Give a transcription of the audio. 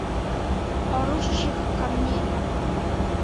Орущих камней